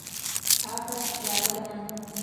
Тағы яҙырмын.